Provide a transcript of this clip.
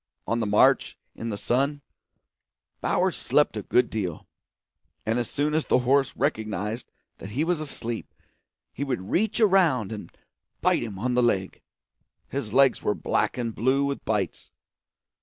On the march, in the sun, Bowers slept a good deal; and as soon as the horse recognised that he was asleep he would reach around and bite him on the leg. His legs were black and blue with bites.